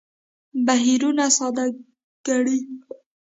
بهیرونه ساده ګڼي.